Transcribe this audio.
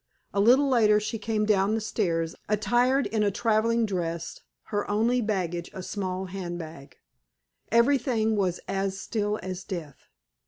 A little later she came down the stairs, attired in a traveling dress, her only baggage a small hand bag. Everything was as still as death.